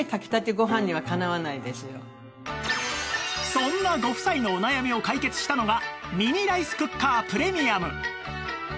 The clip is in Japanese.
そんなご夫妻のお悩みを解決したのがミニライスクッカープレミアム